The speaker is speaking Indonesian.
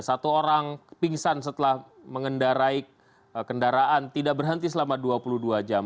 satu orang pingsan setelah mengendarai kendaraan tidak berhenti selama dua puluh dua jam